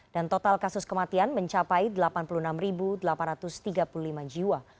dan total kasus kematian mencapai delapan puluh enam delapan ratus tiga puluh lima jiwa